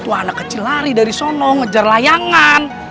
wah anak kecil lari dari sono ngejar layangan